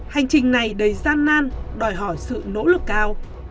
hành trình này đầy gian nan đòi hỏi sự nỗ lực cao